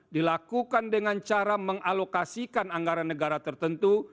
dilakukan dengan cara mengalokasikan anggaran negara tertentu